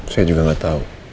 saya juga gak tahu